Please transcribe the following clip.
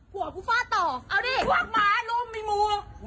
ข้าระเยียดเขาเรียนอย่าไม่รู้